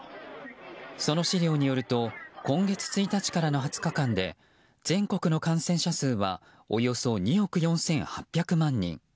その資料によると今月１日からの２０日間で全国の感染者数はおよそ２億４８００万人。